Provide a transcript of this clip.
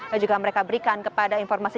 dan juga mereka berikan kepada informasi